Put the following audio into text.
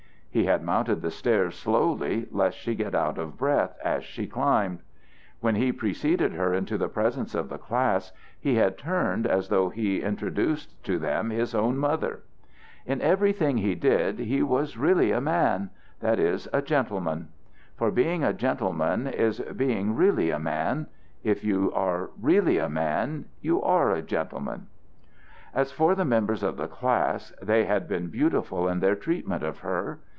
He had mounted the stairs slowly lest she get out of breath as she climbed. When he preceded her into the presence of the class, he had turned as though he introduced to them his own mother. In everything he did he was really a man; that is, a gentleman. For being a gentleman is being really a man; if you are really a man, you are a gentleman. As for the members of the class, they had been beautiful in their treatment of her.